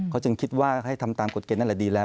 เขาจึงคิดว่าให้ทำตามกฎเกณฑ์นั่นแหละดีแล้ว